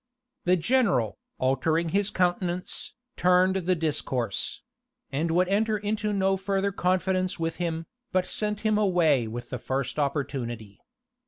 The general, altering his countenance, turned the discourse; and would enter into no further confidence with him, but sent him away with the first opportunity.